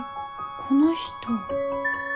この人。